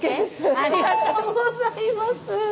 ありがとうございます！